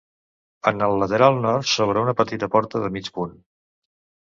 En el lateral nord s'obre una petita porta de mig punt.